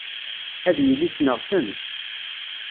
Ad yili ssneɣ-ten.